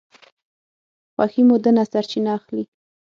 خوښي مو ده نه سرچینه اخلي